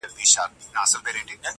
کورنۍ دننه جګړه روانه ده تل,